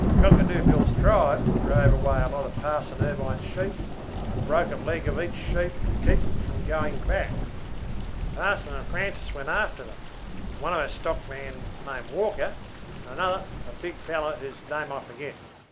Cockatoo Bill's tribe drove away a lot of Parson Irvine's sheep, and broke a leg of each sheep to keep them from going back. The Parson and Francis went after them, and one of our stockmen named Walker, and another, a big fellow whose name I forget.